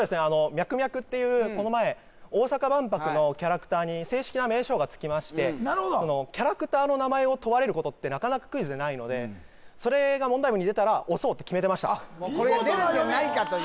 ミャクミャクっていうこの前大阪万博のキャラクターに正式な名称がつきましてキャラクターの名前を問われることってなかなかクイズでないのでそれが問題文に出たら押そうって決めてました見事な読み！